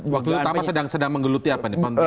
waktu itu tama sedang menggeluti apa nih